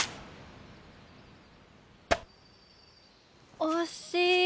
おしい！